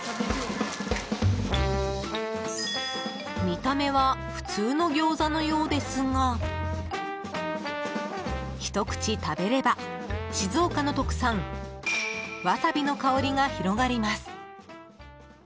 見た目は普通のギョーザのようですがひと口食べれば、静岡の特産ワサビの香りが広がります。